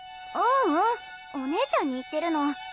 ううんお姉ちゃんに言ってるの。